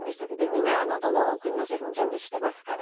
みんなどの国の政府も準備してますから